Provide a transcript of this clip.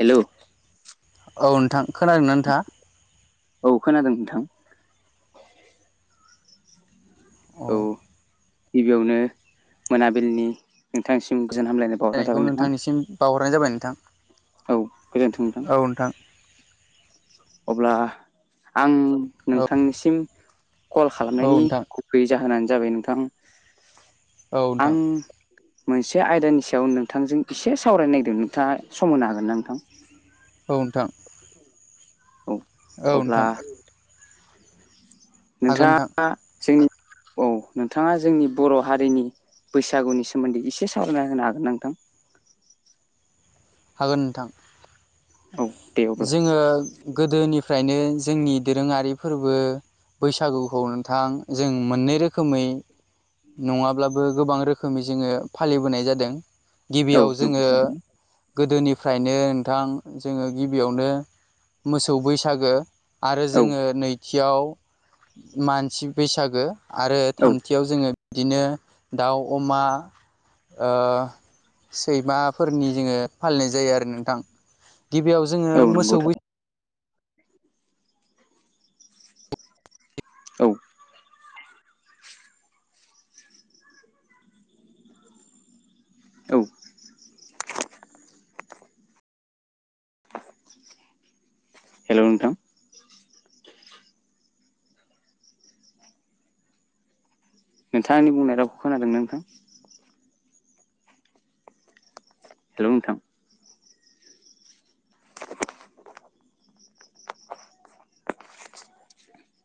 hello औ नोंथां खोनादोंनाा नोंथा औ खोनादों नोंथां अ औ गिबियावनो मोनाबिलिनि नोंथांसिम गोजोन हामलाय रायनायखौ नोंथांनिसिम बावहरनाय जाबाय नोंथां औ गोजोन्थोंदां औ नींथां अब्ला आं नोंथांनिसिम कल औ खालामनायनि नोंथां बे जाहोनानो जाबाय नोंथां औ आं नोंथां मोनसे आयदानि सायाव नोंथांजों एसे सावरायनायदों नोंथाङा समनो हागोन ना नोंथां औ नोंथां औ औ अब्ला नोंथां हागोन नोंथां नोंथाङा जोंनि औ नोंथाङा जोंनि बर' हारिनि बैसागुनि सोमोन्दै एसे सावरायना होनो हागोन नोंथां हागोन नोंथां औ दे अब्ला जोङो गोदोनिफ्रायनो जोंनि दोरोङारि फोरबो बैसागुखौ नोंथां जों मोननै रोखोमै नङाब्लाबो गोबां रोखोमै जोङो फालिबोनाय जादों औ गिबियाव नंगौ जोङो गोदोनिफ्रायनो नोंथां जोङो गिबियावनो मोसौ बैसागो आरो औ जोङो नै नैथियाव मानसि बैसागो आरो थामथि औ थामथियाव जोङो बिदिनो दाउ अमा सैमाफोरनि जोङो फालिनाय जायो आरो नोंथां गिबियाव जोङो औ नंगौ मोसौ थार बैसागो औ औ हेल' नोंथाम नोंथां आंनि बुंनाय रावखौ खोनादोंमोन नोंथां हेलौ नोंथां